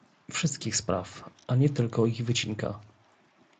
wszystkich spraw, a nie tylko ich wycinka